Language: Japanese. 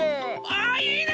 あいいな！